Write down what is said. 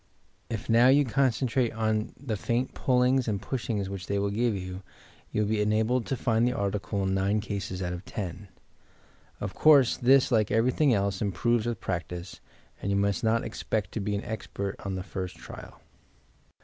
If now you concentrate on the faint pulliags and pushings which they will give you, you will be enabled to find the article in nine cases out of ten. Of conree, this, like everything else, improves with practice, and you miiat not expect to be an expert on the first trial.